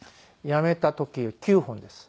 辞めた時は９本です。